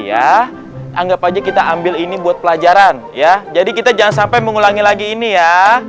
ya anggap aja kita ambil ini buat pelajaran ya jadi kita jangan sampai mengulangi lagi ini ya